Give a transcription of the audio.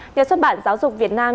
nhà xuất bản giáo dục việt nam